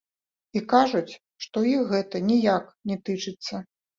І кажуць, што іх гэта ніяк не тычыцца.